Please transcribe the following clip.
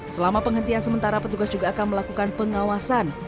selama penghentian sementara petugas juga akan melakukan pengawasan